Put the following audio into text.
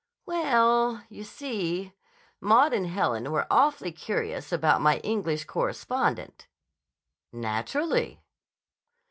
"We ell, you see, Maud and Helen were awfully curious about my English correspondent." "Naturally."